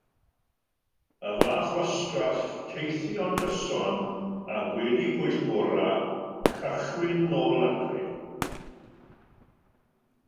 Y fath wastraff, teithio'n gyson ac wedi pwyllgora, cychwyn yn ôl adref.